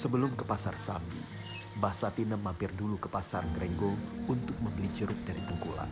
sebelum ke pasar sambi mbah satinem mampir dulu ke pasar ngerenggo untuk membeli jeruk dari bengkulak